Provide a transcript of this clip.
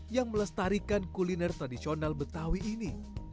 yang melestarikan kuliner tradisional betawi ini